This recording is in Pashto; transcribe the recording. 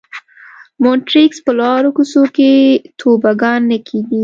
د مونټریکس په لارو کوڅو کې توبوګان نه کېږي.